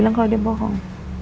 a yang kalau dia bohong